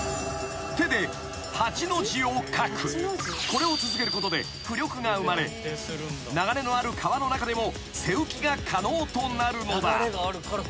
［これを続けることで浮力が生まれ流れのある川の中でも背浮きが可能となるのだ］